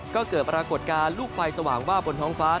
ก็เกิดปรากฏการณ์ลูกไฟสว่างวาบบนท้องฟ้า